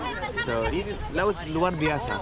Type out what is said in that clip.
itu laut luar biasa